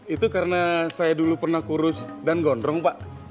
itu karena saya dulu pernah kurus dan gondrong pak